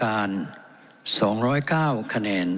เป็นของวุทธธิสมาชิก๑๐๐